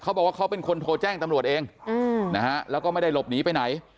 เขาบอกว่าเขาเป็นคนโทรแจ้งตำรวจเองนะฮะแล้วก็ไม่ได้หลบหนีไปไหน